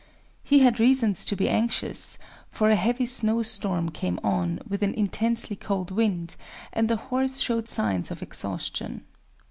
He had reason to be anxious;—for a heavy snowstorm came on, with an intensely cold wind; and the horse showed signs of exhaustion.